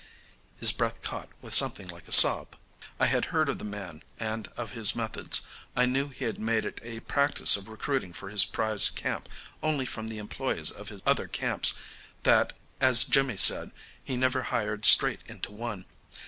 His breath caught with something like a sob. I had heard of the man and of his methods. I knew he had made it a practice of recruiting for his prize camp only from the employees of his other camps, that, as Jimmy said, he never "hired straight into One."